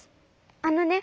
あのね